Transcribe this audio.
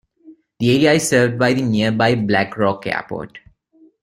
The area is served by the nearby Black Rock Airport.